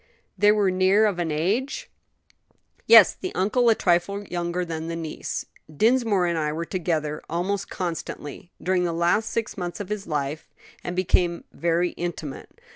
"They were near of an age?" "Yes; the uncle a trifle younger than the niece." "Dinsmore and I were together almost constantly during the last six months of his life, and became very intimate.